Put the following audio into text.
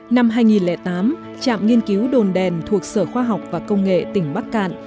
năm hai nghìn tám trạm nghiên cứu đồn đèn thuộc sở khoa học và công nghệ tỉnh bắc cạn